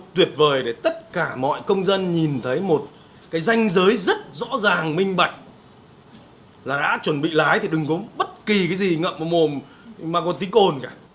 tất cả mọi công dân nhìn thấy một danh giới rất rõ ràng minh bạch là đã chuẩn bị lái thì đừng có bất kỳ cái gì ngậm vào mồm mà còn tí cồn cả